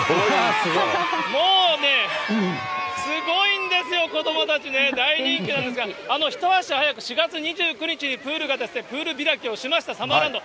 もうね、すごいんですよ、子どもたちね、大人気なんですが、一足早く４月２９日にプールがプール開きをしましたサマーランド。